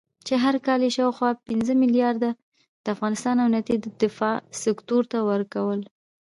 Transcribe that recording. چې هر کال یې شاوخوا پنځه مليارده د افغانستان امنيتي دفاعي سکتور ته ورکول